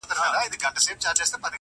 ځي تر اباسینه د کونړ د یکه زار څپې!.